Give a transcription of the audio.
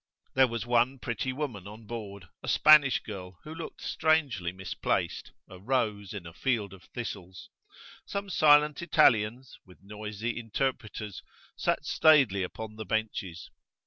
There was one pretty woman on board, a Spanish girl, who looked strangely misplaced a rose in a field of thistles. Some silent Italians, with noisy interpreters, sat staidly upon the benches.